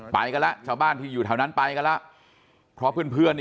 ไปกันแล้วชาวบ้านที่อยู่แถวนั้นไปกันแล้วเพราะเพื่อน